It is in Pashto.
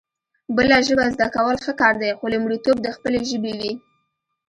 بله ژبه زده کول ښه کار دی خو لومړيتوب د خپلې ژبې وي